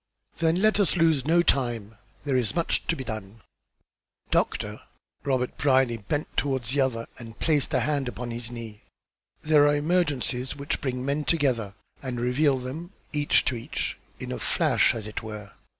"Then, let us lose no time; there is much to be done." "Doctor," Robert Brierly bent toward the other and placed a hand upon his knee. "There are emergencies which bring men together and reveal them, each to each, in a flash, as it were.